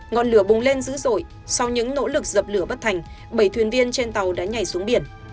ngọn lửa bùng lên dữ dội sau những nỗ lực dập lửa bất thành bảy thuyền viên trên tàu đã nhảy xuống biển